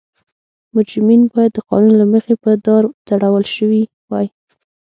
مجرمین باید د قانون له مخې په دار ځړول شوي وای.